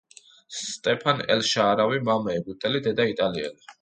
სტეფან ელ შაარავი, მამა ეგვიპტელი, დედა იტალიელი.